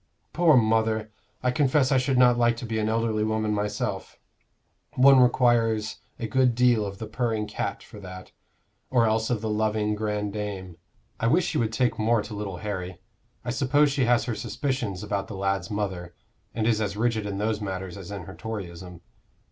"Poor mother! I confess I should not like to be an elderly woman myself. One requires a good deal of the purring cat for that, or else of the loving grandame. I wish she would take more to little Harry. I suppose she has her suspicions about the lad's mother, and is as rigid in those matters as in her Toryism.